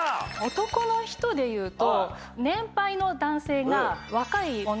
男の人でいうと。